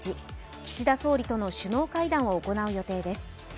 岸田総理との首脳会談を行う予定です。